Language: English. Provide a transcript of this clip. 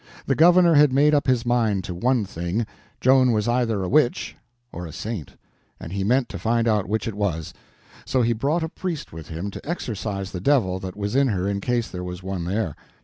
The governor had made up his mind to one thing: Joan was either a witch or a saint, and he meant to find out which it was. So he brought a priest with him to exorcise the devil that was in her in case there was one there.